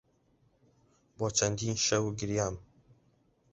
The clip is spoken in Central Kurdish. بۆ چەندین شەو گریام.